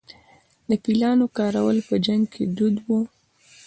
د فیلانو کارول په جنګ کې دود و